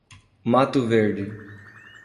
Mato Verde